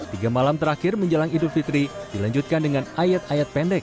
tiga malam terakhir menjelang idul fitri dilanjutkan dengan ayat ayat pendek